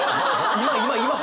今今！